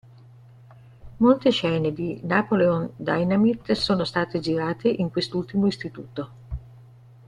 Molte scene di "Napoleon Dynamite" sono state girate in quest'ultimo istituto.